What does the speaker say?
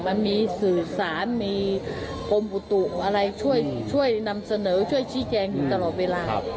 มันมีสื่อสารมีกรมอุตุอะไรช่วยนำเสนอช่วยชี้แจงอยู่ตลอดเวลา